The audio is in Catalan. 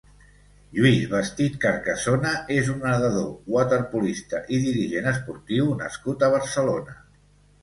Lluis Bestit Carcasona és un nedador, waterpolista i dirigent esportiu nascut a Barcelona.